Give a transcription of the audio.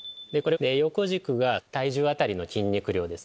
横軸が体重当たりの筋肉量です。